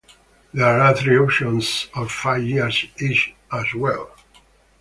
There are three options of five years each as well.